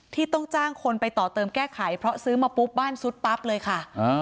ที่ต้องจ้างคนไปต่อเติมแก้ไขเพราะซื้อมาปุ๊บบ้านซุดปั๊บเลยค่ะ